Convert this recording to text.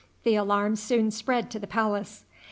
The alarm soon spread to the palace.